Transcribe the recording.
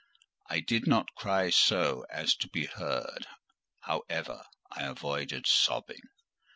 I did not cry so as to be heard, however; I avoided sobbing.